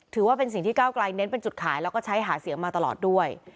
ถือว่าเป็นสิ่งที่ก้าวกลายเน้นเป็นจุดขายแล้วก็ใช้หาเสียงมาตลอดด้วย